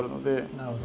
なるほど。